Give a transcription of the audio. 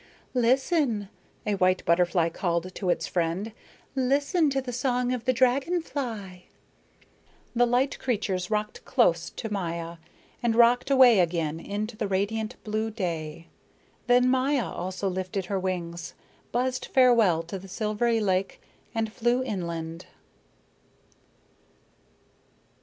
"Listen!" a white butterfly called to its friend. "Listen to the song of the dragon fly." The light creatures rocked close to Maya, and rocked away again into the radiant blue day. Then Maya also lifted her wings, buzzed farewell to the silvery lake, and flew inland.